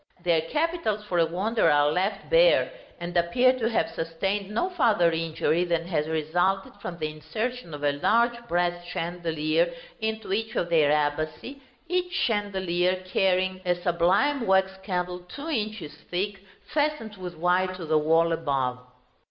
Their capitals, for a wonder, are left bare, and appear to have sustained no farther injury than has resulted from the insertion of a large brass chandelier into each of their abaci, each chandelier carrying a sublime wax candle two inches thick, fastened with wire to the wall above.